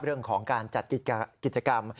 เรื่องของการจัดกิจกรรม